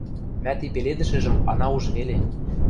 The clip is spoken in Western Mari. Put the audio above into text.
мӓ ти пеледӹшӹжӹм ана уж веле...